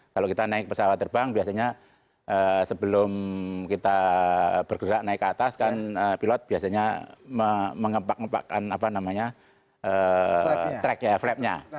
kalau kita naik pesawat terbang biasanya sebelum kita bergerak naik ke atas kan pilot biasanya mengepak ngepakkan apa namanya track ya flapnya